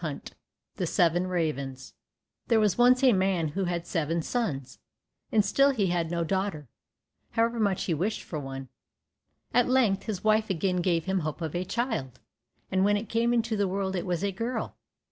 25 The Seven Ravens There was once a man who had seven sons, and still he had no daughter, however much he wished for one. At length his wife again gave him hope of a child, and when it came into the world it was a girl.